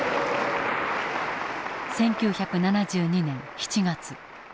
１９７２年７月。